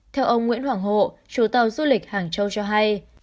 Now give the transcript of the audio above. theo ông nguyễn hoàng hộ chủ tàu du lịch hàng châu cho hay